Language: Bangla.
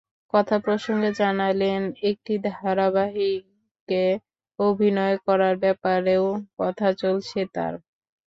কথা প্রসঙ্গে জানালেন, একটি ধারাবাহিকে অভিনয় করার ব্যাপারেও কথা চলছে তাঁর।